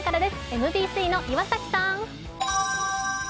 ＭＢＣの岩崎さん。